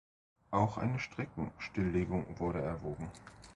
Auch eine Streckenstilllegung wurde erwogen.